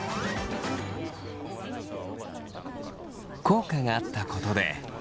効果があったことで。